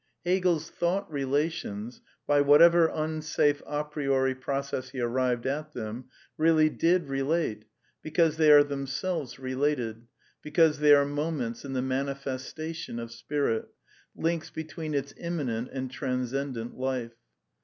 Hegel's " thought relations," by whatever unsafe d priori process he arrived at them, really did relate, because they ar< themselves related, because they are moments in the mani festation of Spirit, links between its immanent and trans cendent life.